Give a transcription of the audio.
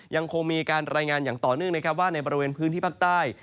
ยังคงมีการรายงานอย่างต่อเนื่องนะครับว่าในบริเวณพื้นที่ภาคใต้